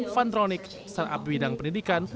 fundronic startup di bidang pendidikan